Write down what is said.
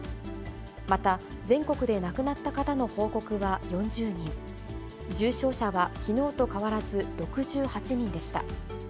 また、全国で亡くなった方の報告は４０人、重症者はきのうと変わらず６８人でした。